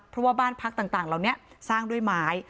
เพราะว่าบ้านพักต่างเหล่านี้สร้างด้วยไม้